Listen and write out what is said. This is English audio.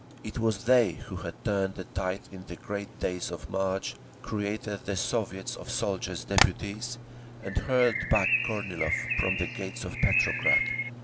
It was they who had turned the tide in the great days of March, created the Soviets of Soldiers' Deputies, and hurled back Kornilov from the gates of Petrograd.